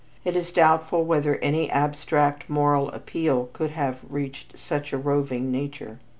It is doubtful whether any abstract moral appeal could have reached such a roving nature.